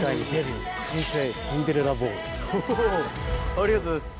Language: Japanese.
ありがとうございます。